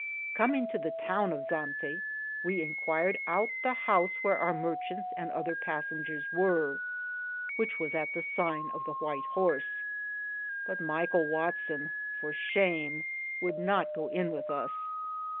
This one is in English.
Cominge to the towne of Zante, we Inquiered out the house wheare our marchants and other passingeres weare, which was at the sine of the Whyte Horse ; but Myghell Watson, for shame, would not go in with us.